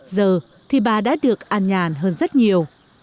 giờ thì bà đã được ăn nhàn hơn rất nhiều